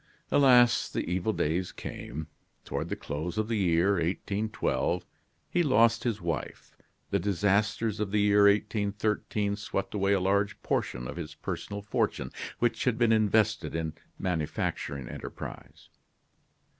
Alas! the evil days came. Toward the close of the year 1812, he lost his wife, the disasters of the year 1813 swept away a large portion of his personal fortune, which had been invested in a manufacturing enterprise.